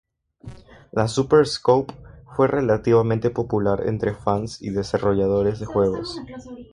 La Super Scope fue relativamente popular entre fans y desarrolladores de juegos.